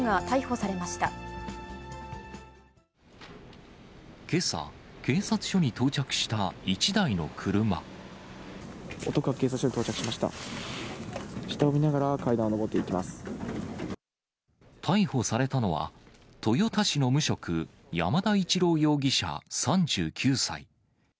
逮捕されたのは、豊田市の無職、山田一郎容疑者３９歳。